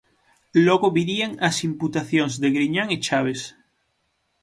Logo virían as imputacións de Griñán e Chaves.